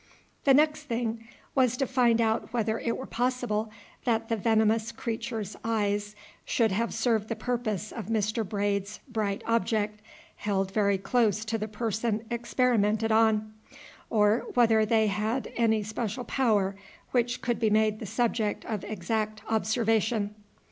The next thing was to find out whether it were possible that the venomous creature's eyes should have served the purpose of Mr. Braid's "bright object" held very close to the person experimented on, or whether they had any special power which could be made the subject of exact observation.